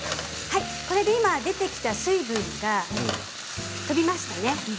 出てきた水分が飛びましたね。